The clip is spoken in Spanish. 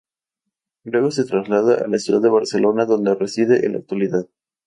Luego se traslada a la ciudad de Barcelona donde reside en la actualidad.